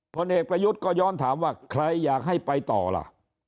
ผลเอกประยุทธ์ก็ย้อนถามว่าใครอยากให้ไปต่อล่ะ